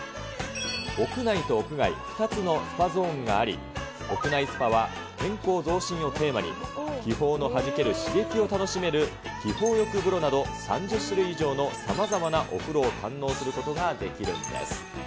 屋内と屋外、２つのスパゾーンがあり、屋内スパは、健康増進をテーマに、気泡のはじける刺激を楽しめる気泡浴風呂など、３０種類以上のさまざまなお風呂を堪能することができるんです。